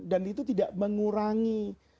dan itu tidak mengurangi